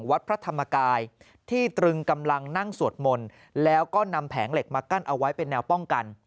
วัดพระธรรมกายที่ตรึงกำลังนั่งสวดมนต์แล้วก็นำแผงเหล็กมากั้นเอาไว้เป็นแนวป้องกัน